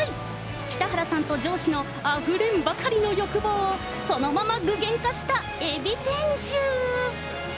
北原さんと上司のあふれんばかりの欲望を、そのまま具現化したエビ天重。